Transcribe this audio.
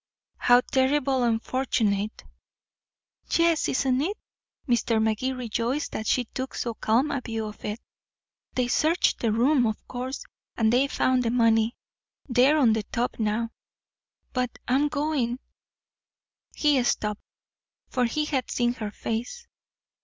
"How terribly unfortunate." "Yes, isn't it?" Mr. Magee rejoiced that she took so calm a view of it. "They searched the room, of course. And they found the money. They're on top now. But I'm going " He stopped. For he had seen her face.